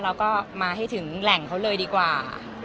เราก็มาให้ถึงแหล่งเขาเลยดีกว่า